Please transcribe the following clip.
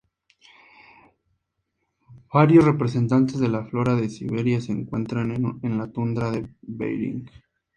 Varios representantes de la flora de Siberia se encuentran en la tundra de Behring.